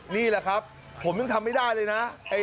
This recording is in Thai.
นี่แหละครับผมยังทำไม่ได้เลยนะ